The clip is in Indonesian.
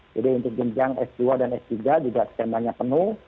jadi untuk pinjang s dua dan s tiga juga skemanya full